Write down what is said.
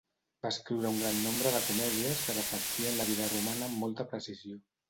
Va escriure un gran nombre de comèdies que reflectien la vida romana amb molta precisió.